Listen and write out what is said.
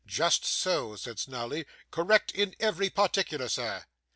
'Just so,' said Snawley. 'Correct in every particular, sir.